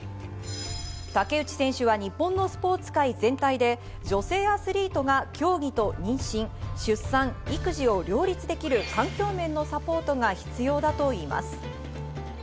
竹内選手は日本のスポーツ界全体で女性アスリートが競技と妊娠、出産、育児を両立できる環境面のサポートが必要だといいます。